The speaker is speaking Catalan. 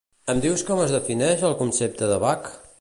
Em dius com es defineix el concepte de bac?